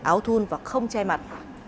áo thun và không che mặt